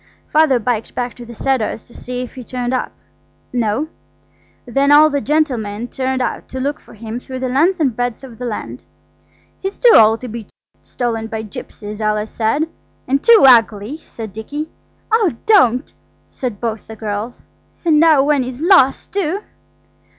Father biked back to the Cedars to see if he'd turned up. No. Then all the gentlemen turned out to look for him through the length and breadth of the land. "He's too old to be stolen by gipsies," Alice said. "And too ugly," said Dicky. "Oh don't!" said both the girls; "and now when he's lost, too!"